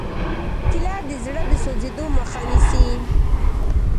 کېله د زړه د سوځېدو مخه نیسي.